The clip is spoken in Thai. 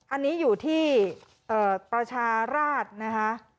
อันนี้อยู่ที่ประชาราชนะคะ